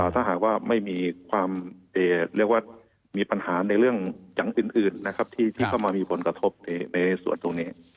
ถ้าหากว่าไม่มีความเรียกว่ามีปัญหาในเรื่องอย่างอื่นนะครับที่เข้ามามีผลกระทบในส่วนตรงนี้